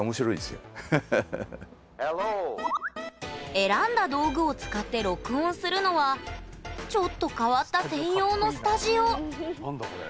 選んだ道具を使って録音するのはちょっと変わった専用のスタジオ何だこれ。